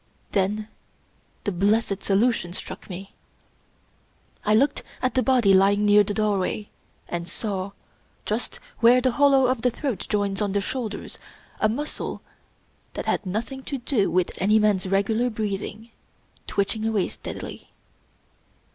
Then the blessed solution struck me. I looked at the body lying near the doorway, and saw, just where the hollow of the throat joins on the shoulders, a muscle that had nothing to do with any man's regular breathing, twitching away steadily.